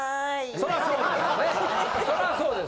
そらそうです。